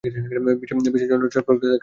বিষের যন্ত্রণায় ছটফট করতে করতে মরে যান।